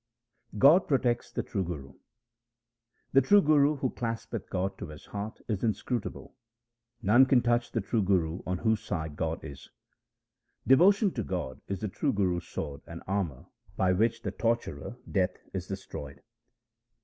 God protects the true Guru :— The true Guru who claspeth God to his heart is inscrutable. None can touch the true Guru on whose side God is. Devotion to God is the true Guru's sword and armour by which the torturer death is destroyed.